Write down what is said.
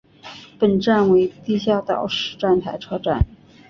本站为地下岛式站台车站。